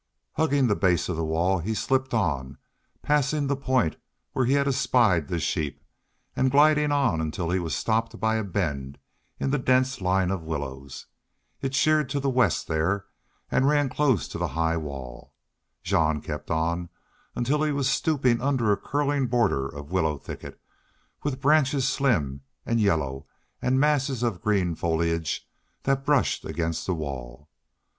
Hugging the base of the wall, he slipped on, passing the point where he had espied the sheep, and gliding on until he was stopped by a bend in the dense line of willows. It sheered to the west there and ran close to the high wall. Jean kept on until he was stooping under a curling border of willow thicket, with branches slim and yellow and masses of green foliage that brushed against the wall.